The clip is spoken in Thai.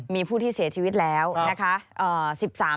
มีผู้ที่เสียชีวิตแล้วนะคะ